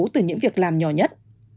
từ những việc làm nhỏ nhất